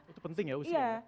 itu penting ya usia